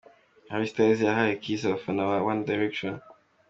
Harry Styles yahaye kiss abafana ba One Direction.